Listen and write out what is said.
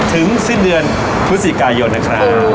ถึงสิ้นเดือนพฤษิกายนนะคะ